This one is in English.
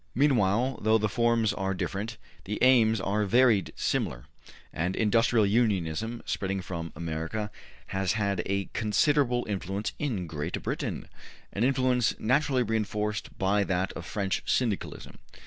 Meanwhile, though the forms are different, the aims are very similar, and industrial unionism, spreading from America, has had a considerable influence in Great Britain an influence naturally reinforced by that of French Syndicalism.